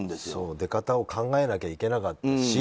出方を考えなきゃいけなかったし